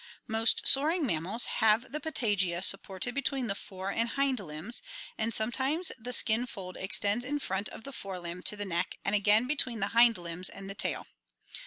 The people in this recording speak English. Most soaring mammals have the patagia supported between the fore and hind limbs, and sometimes the skin fold extends in front of the fore limb to the neck and again between the hind limbs and the tail.